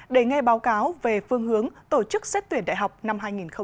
để nghe báo cáo về phương hướng tổ chức xét tuyển đại học năm hai nghìn hai mươi